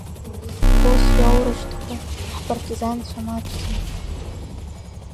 Ус иоурышьҭқәо ҳпартизанцәа маҷӡам!